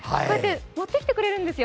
持ってきてくれるんですよ。